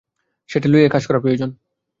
সেইটি লইয়াই কাজ করা প্রয়োজন।